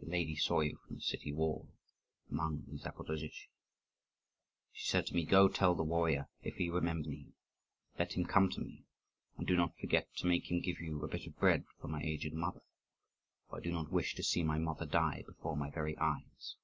"The lady saw you from the city wall, among the Zaporozhtzi. She said to me, 'Go tell the warrior: if he remembers me, let him come to me; and do not forget to make him give you a bit of bread for my aged mother, for I do not wish to see my mother die before my very eyes.